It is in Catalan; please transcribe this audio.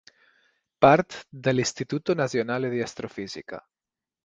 Part de l'Istituto Nazionale di Astrofisica.